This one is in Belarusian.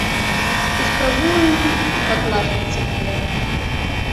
І спрабуем падладжвацца пад яго.